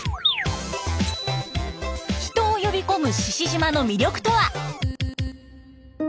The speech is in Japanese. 人を呼び込む志々島の魅力とは？